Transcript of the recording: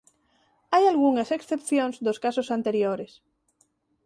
Hai algunhas excepcións dos casos anteriores.